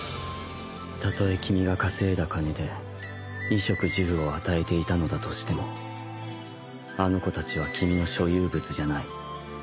たとえ君が稼いだ金で衣食住を与えていたのだとしてもあの子たちは君の所有物じゃない。